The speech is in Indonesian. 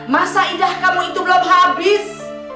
masa indah kamu itu belum habis